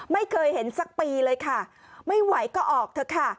ไม่เคยเห็นสักปีเลยค่ะไม่ไหวก็ออกเถอะค่ะ